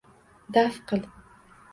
— Daf qil!